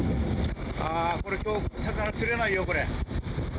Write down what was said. ああ、これ、きょう魚釣れないよ、これ。